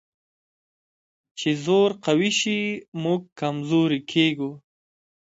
چې زور قوي شي، موږ کمزوري کېږو.